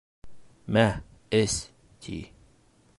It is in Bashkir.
— Мә, эс, — ти.